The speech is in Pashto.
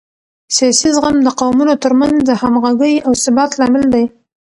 سیاسي زغم د قومونو ترمنځ د همغږۍ او ثبات لامل دی